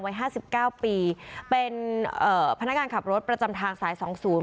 ห้าสิบเก้าปีเป็นเอ่อพนักงานขับรถประจำทางสายสองศูนย์